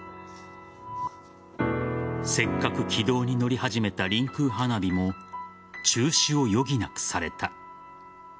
せっかく軌道に乗り始めたりんくう花火も中止を余儀なくされた。